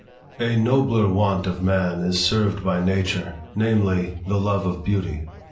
A NOBLER want of man is served by nature, namely, the love of Beauty.